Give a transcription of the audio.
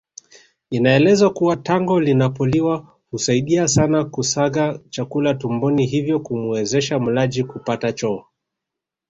Inaelezwa kuwa tango linapoliwa husaidia sana kusaga chakula tumboni hivyo kumuwezesha mlaji kupata choo